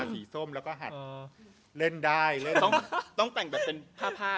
สีส้มแล้วก็หัดเล่นได้เลยต้องแต่งแบบเป็นผ้าผ้า